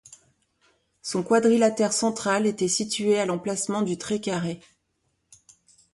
Son quadrilatère central était situé à l'emplacement du Trait-Carré.